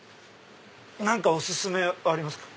何かお薦めはありますか？